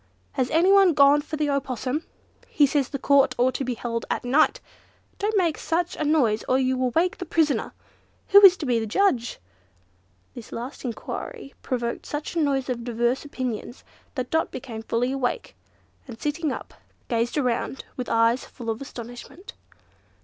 "Has anyone gone for the opossum?" "He says the Court ought to be held at night!" "Don't make such a noise or you will wake the prisoner!" "Who is to be the judge?" This last enquiry provoked such a noise of diverse opinions, that Dot became fully awake, and sitting up, gazed around with eyes full of astonishment.